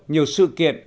nhiều sự kiện